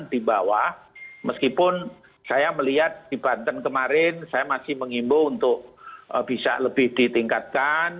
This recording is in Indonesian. dan di bawah meskipun saya melihat di banten kemarin saya masih mengimbu untuk bisa lebih ditingkatkan